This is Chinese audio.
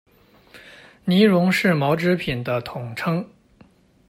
呢绒是毛织品的统称。